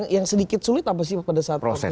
yang sedikit sulit apa sih pada saat proses